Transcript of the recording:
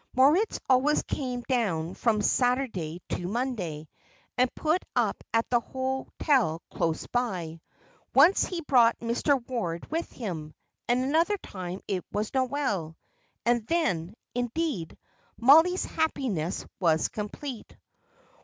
Moritz always came down from Saturday to Monday, and put up at the hotel close by. Once he brought Mr. Ward with him, and another time it was Noel; and then, indeed, Mollie's happiness was complete.